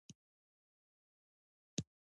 ځمکنی شکل د افغانستان د پوهنې نصاب کې شامل دي.